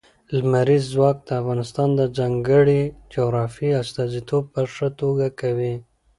لمریز ځواک د افغانستان د ځانګړي جغرافیې استازیتوب په ښه توګه کوي.